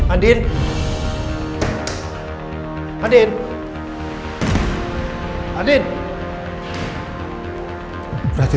aku tak cempen nanti